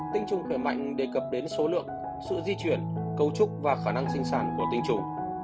tinh trùng khỏe mạnh đề cập đến số lượng sự di chuyển cấu trúc và khả năng sinh sản của tinh trùng